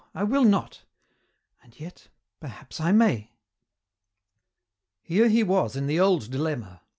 I will not and yet, perhaps I may!" Here he was in the old dilemma.